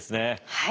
はい。